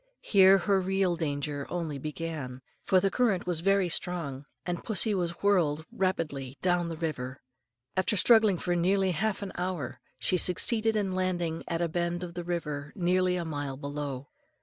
Here her real danger only began, for the current was very strong, and pussy was whirled rapidly down the river. After struggling for nearly half an hour, she succeeded in landing at a bend of the river nearly a mile below.